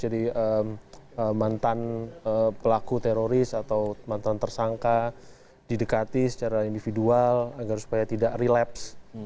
jadi mantan pelaku teroris atau mantan tersangka didekati secara individual agar supaya tidak relapse